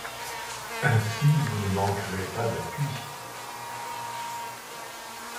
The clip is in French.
Ainsi vous ne manquerez pas d’appuis…